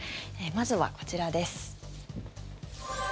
まずはこちらです。